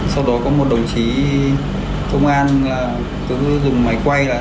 sau đó có một đồng chí công an cứ dừng máy quay